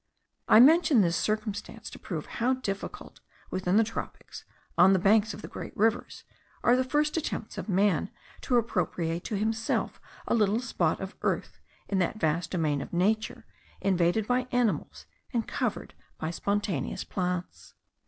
I mention this circumstance to prove how difficult, within the tropics, on the banks of great rivers, are the first attempts of man to appropriate to himself a little spot of earth in that vast domain of nature, invaded by animals, and covered by spontaneous plants.